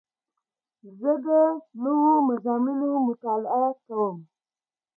زه د نوو مضامینو مطالعه کوم.